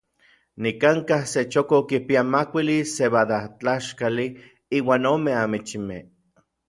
Nikankaj se chokoj kipia makuili sebadajtlaxkali iuan ome amichimej.